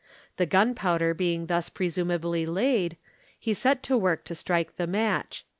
The gunpowder being thus presumably laid, he set to work to strike the match.